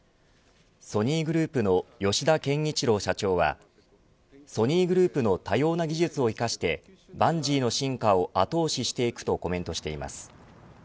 ソニーグループの吉田憲一郎社長はソニーグループの多様な技術を生かしてバンジーの進化を後押ししていくとコメントしています。